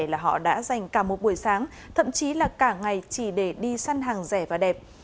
là họ đã dành cả một buổi sáng thậm chí là cả ngày chỉ để đi săn hàng rẻ và đẹp